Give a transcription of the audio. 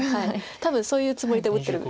多分そういうつもりで打ってるかも。